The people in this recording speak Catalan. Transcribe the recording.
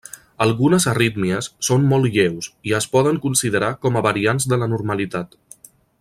Algunes arrítmies són molt lleus i es poden considerar com a variants de la normalitat.